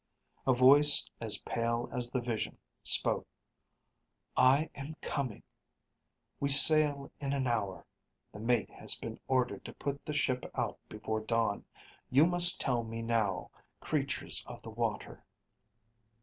_ _A voice as pale as the vision spoke "I am coming. We sail in a hour. The mate has been ordered to put the ship out before dawn. You must tell me now, creatures of the water."